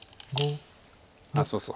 あっそうそう